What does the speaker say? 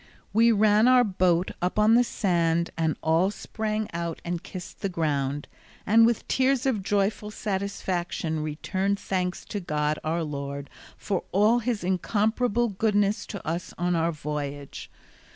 We ran our boat up on the sand, and all sprang out and kissed the ground, and with tears of joyful satisfaction returned thanks to God our Lord for all his incomparable goodness to us on our voyage.